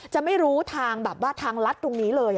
จะไม่รู้ทางลัดตรงนี้เลย